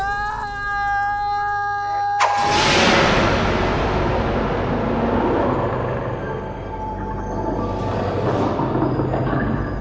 โอ้โอ้โอ้